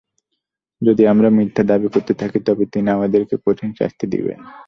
যদি আমরা মিথ্যা দাবি করে থাকি, তবে তিনি আমাদেরকে কঠিন শাস্তি দেবেন।